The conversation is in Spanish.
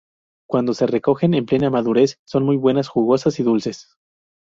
Cuando se recogen en plena madurez, son muy buenas, jugosas y dulces.